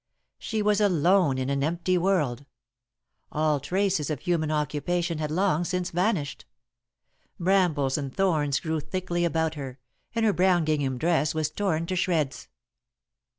She was alone in an empty world. All traces of human occupation had long since vanished. Brambles and thorns grew thickly about her, and her brown gingham dress was torn to shreds.